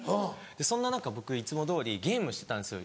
そんな中僕いつもどおりゲームしてたんですよ